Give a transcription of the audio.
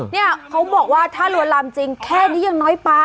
เนี่ยเขาบอกว่าถ้าลวนลามจริงแค่นี้ยังน้อยไป